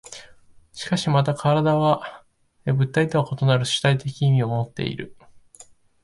しかしまた身体は物体とは異なる主体的意味をもっている。